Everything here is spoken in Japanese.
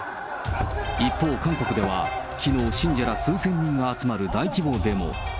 一方、韓国ではきのう、信者ら数千人が集まる大規模デモ。